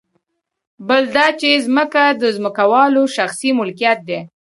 بل دا چې ځمکه د ځمکوالو شخصي ملکیت دی